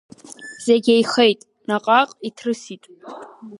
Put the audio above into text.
Зегь еихеит, наҟ-ааҟ иҭрысит.